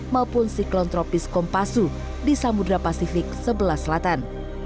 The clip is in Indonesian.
maupun siklon tropis kompasu di samudera pasifik sebelah selatan